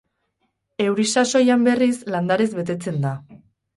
Euri sasoian, berriz, landarez betetzen da.